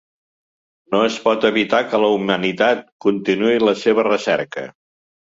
No es pot evitar que la humanitat continuï la seva recerca.